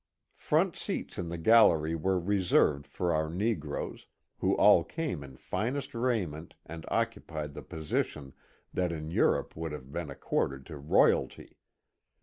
Front seats in the gallery were reserved for our ne groes, who all came in finest raiment and occupied the posi tion that in Europe would have been accorded to royalty.